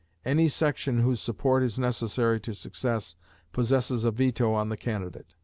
Any section whose support is necessary to success possesses a veto on the candidate.